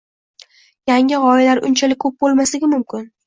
Yangi gʻoyalar unchalik koʻp boʻlmasligi mumkin.